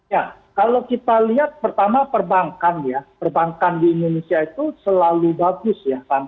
ya kalau kita lihat pertama perbankan ya perbankan di indonesia itu selalu bagus ya